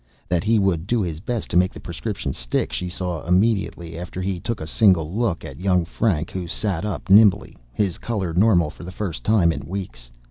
That he would do his best to make the prescription stick she saw immediately after he took a single look at young Frank who sat up nimbly, his color normal for the first time in weeks.